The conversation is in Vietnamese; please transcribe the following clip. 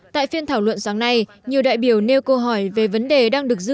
tại phiên thảo luận sáng nay nhiều đại biểu nêu câu hỏi về vấn đề đang được dự án